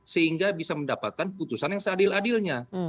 sehingga bisa mendapatkan putusan yang seadil adilnya